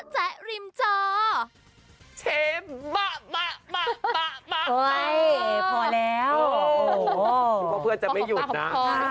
เชฟบะบะบะ